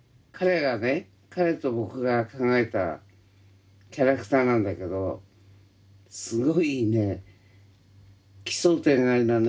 彼と僕が考えたキャラクターなんだけどすごいね奇想天外なね